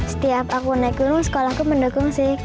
setiap aku naik gunung sekolahku mendukung sih